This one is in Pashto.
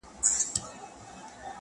زه درته دعا سهار ماښام كوم.